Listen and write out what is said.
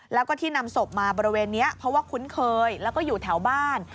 แล้วก็ที่นำศพมาบริเวณนี้เพราะว่าคุ้นเคยแล้วก็อยู่แถวบ้าน